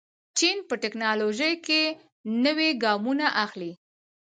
چین په تکنالوژۍ کې نوي ګامونه اخلي.